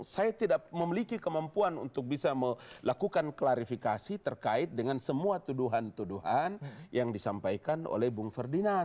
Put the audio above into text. saya tidak memiliki kemampuan untuk bisa melakukan klarifikasi terkait dengan semua tuduhan tuduhan yang disampaikan oleh bung ferdinand